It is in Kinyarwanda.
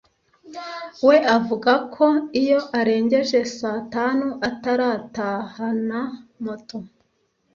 we avuga ko iyo arengeje saa tanu ataratahana moto